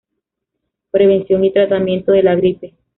Prevención y tratamiento de la gripe.